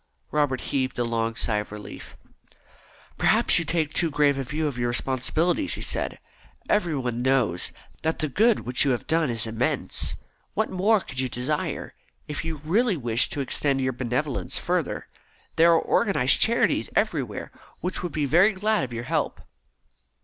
Robert heaved a long sigh of relief. "Perhaps you take too grave a view of your responsibilities," he said. "Everybody knows that the good which you have done is immense. What more could you desire? If you really wished to extend your benevolence further, there are organised charities everywhere which would be very glad of your help."